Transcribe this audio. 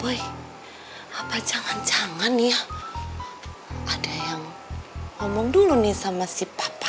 weh apa jangan jangan ya ada yang ngomong dulu nih sama si papa